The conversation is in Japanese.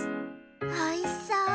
おいしそう。